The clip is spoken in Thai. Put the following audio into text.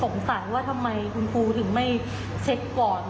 สงสัยว่าทำไมคุณครูถึงไม่เช็คก่อน